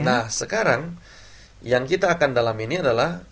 nah sekarang yang kita akan dalam ini adalah